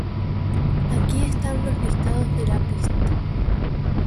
Aquí están los listados de la pista.